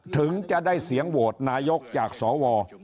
ถึงจะได้เสียงโหวตนายกจากสว